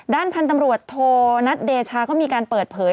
ด้านพันธุ์ตำรวจโทนัทเดชาก็มีการเปิดเผย